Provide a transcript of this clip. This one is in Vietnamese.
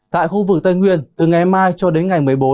tại khu vực tây nguyên từ ngày mai cho đến ngày một mươi bốn